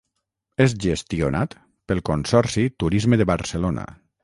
És gestionat pel consorci Turisme de Barcelona.